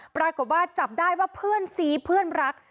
ปรากฏว่าจับได้ว่าเพื่อนซีเพื่อนรัก